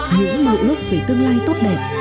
những mưu ước về tương lai tốt đẹp